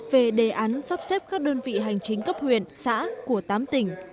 về đề án sắp xếp các đơn vị hành chính cấp huyện xã của tám tỉnh